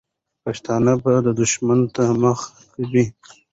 پښتانه به دښمن ته مخه کوي.